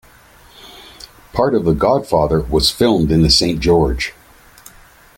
Part of "The Godfather" was filmed in the Saint George.